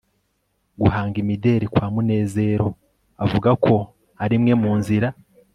guhanga imideli kwa munezerio avuga ko ari imwe mu nzira